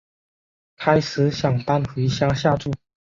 开始想搬回乡下住